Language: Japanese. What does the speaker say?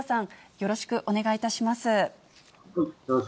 よろしくお願いします。